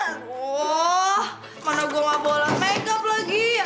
aduh mana gue nggak boleh make up lagi ya